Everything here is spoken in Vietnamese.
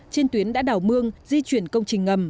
trên tuyến đã đảo mương di chuyển công trình ngầm